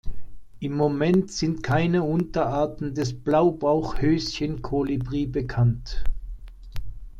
Im Moment sind keine Unterarten des Blaubauch-Höschenkolibri bekannt.